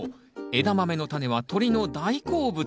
エダマメのタネは鳥の大好物。